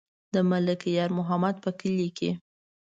د ملک یار محمد په کلي کې.